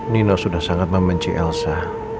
nino sudah sangat membenci elsa